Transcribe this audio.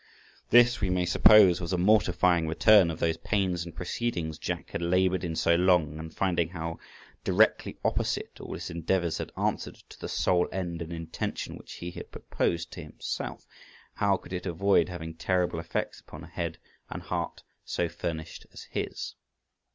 This, we may suppose, was a mortifying return of those pains and proceedings Jack had laboured in so long, and finding how directly opposite all his endeavours had answered to the sole end and intention which he had proposed to himself, how could it avoid having terrible effects upon a head and heart so furnished as his?